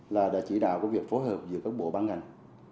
là đã chỉ đạo việc phối hợp giữa các bộ ban ngành